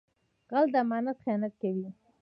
غل د امانت خیانت کوي